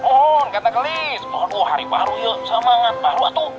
oh kata kelis hari baru ya selamat pagi